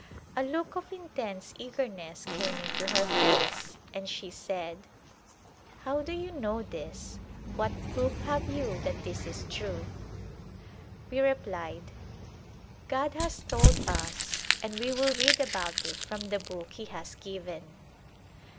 A look of intense eagerness came into her face and she said, " How do you know this ? What proof have you that this is true ?" We replied, " God has told us and we will read about it from the book He has given."